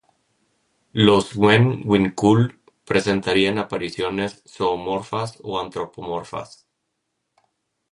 Los Ngen-winkul, presentarían apariciones zoomorfas o antropomorfas.